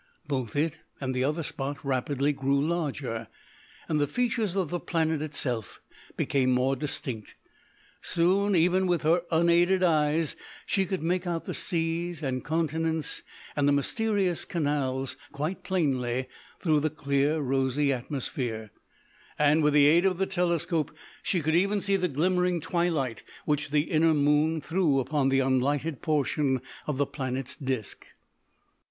Both it and the other spot rapidly grew larger, and the features of the planet itself became more distinct. Soon even with her unaided eyes she could make out the seas and continents and the mysterious canals quite plainly through the clear, rosy atmosphere, and, with the aid of the telescope, she could even see the glimmering twilight which the inner moon threw upon the unlighted portion of the planet's disc.